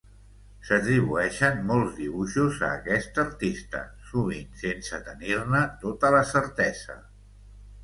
S'atribueixen molts dibuixos a aquest artista, sovint sense tenir-ne tota la certesa.